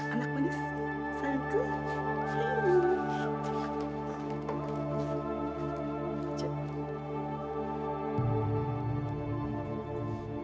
anak manis satu dua